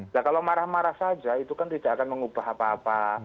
nah kalau marah marah saja itu kan tidak akan mengubah apa apa